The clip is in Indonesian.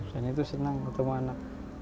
saya itu senang ketemu anak